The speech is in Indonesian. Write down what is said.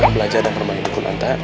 ustadz belajar dan permain di kulantai